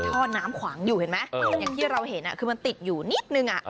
ท่อน้ำขวางอยู่เห็นไหมอย่างที่เราเห็นคือมันติดอยู่นิดนึง